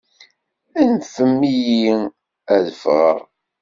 Anfem-iyi ad ffɣeɣ!